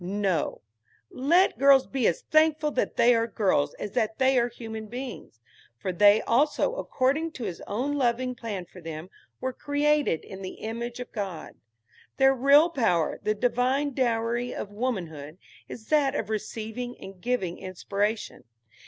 No; let girls be as thankful that they are girls as that they are human beings; for they also, according to his own loving plan for them, were created in the image of God. Their real power, the divine dowry of womanhood, is that of receiving and giving inspiration.